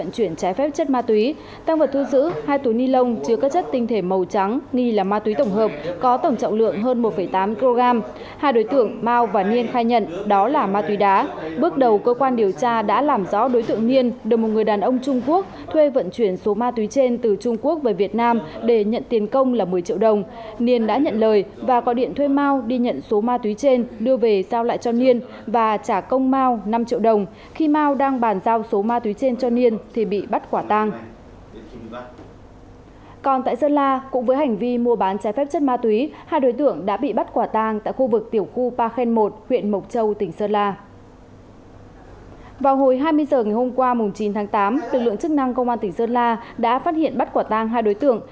qua mùng chín tháng tám lực lượng chức năng công an tỉnh sơn la đã phát hiện bắt quả tang hai đối tượng